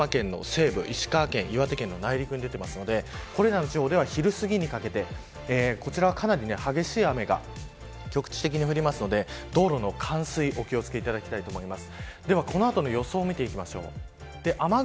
大雨警報富山県の西部、石川県、岩手県の内陸に出ていますのでこれらの地方では昼すぎにかけてかなり激しい雨が局地的に降りますので道路の冠水にお気を付けいただきたいと思います。